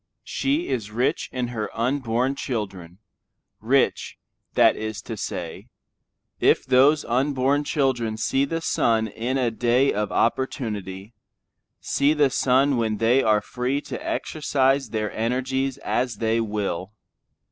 She is rich in her unborn children; rich, that is to say, if those unborn children see the sun in a day of opportunity, see the sun when they are free to exercise their energies as they will.